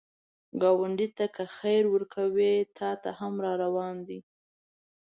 ګاونډي ته که خیر ورکوې، تا ته هم راروان دی